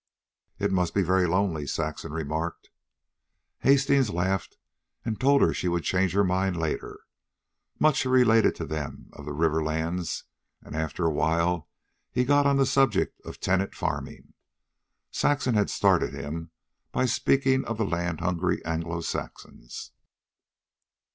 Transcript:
"It must be very lonely," Saxon remarked. Hastings laughed and told her she would change her mind later. Much he related to them of the river lands, and after a while he got on the subject of tenant farming. Saxon had started him by speaking of the land hungry Anglo Saxons.